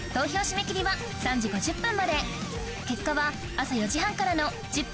結果は朝４時半からの『ＺＩＰ！』